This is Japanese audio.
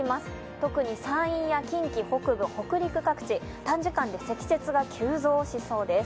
特に山陰や近畿、北部、北陸各地短時間で積雪が急増しそうです。